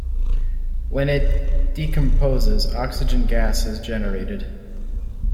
When it decomposes, oxygen gas is generated.